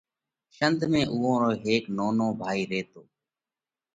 شنڌ ۾ اُوئون رو هيڪ نونو ڀائِي ريتو۔